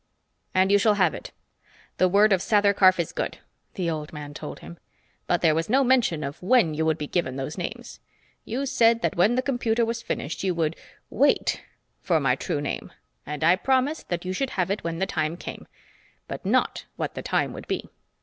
"And you shall have it. The word of Sather Karf is good," the old man told him. "But there was no mention of when you would be given those names. You said that when the computer was finished you would wait for my true name, and I promised that you should have it when the time came, but not what the time would be.